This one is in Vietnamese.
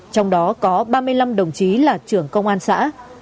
trong đó có ba mươi năm đồng chí là trưởng công an xã